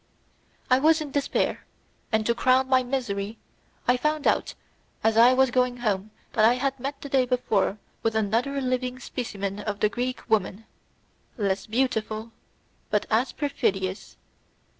I was in despair, and to crown my misery I found out as I was going home that I had met the day before with another living specimen of the Greek woman, less beautiful but as perfidious.